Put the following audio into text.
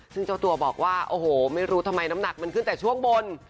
ซึ่งเจ้าตัวบอกว่าโอ้โหไม่รู้ทำไมน้ำหนักมันขึ้นแต่ช่วงบน